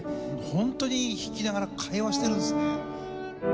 本当に弾きながら会話してるんですね。